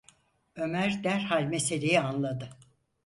Ömer derhal meseleyi anladı.